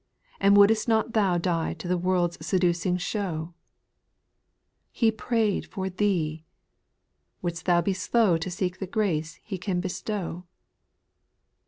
And wouldst not thou Die to the world's seducing show ? He prayed for thee ! Wilt thou be Slow To seek the grace He can bestow